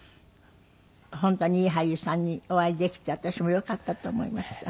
本当にいい俳優さんにお会いできて私もよかったと思いました。